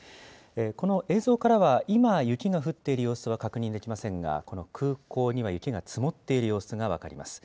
この映像からは、今雪が降っている様子は確認できませんが、空港には雪が積もっている様子が分かります。